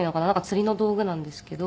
釣りの道具なんですけど。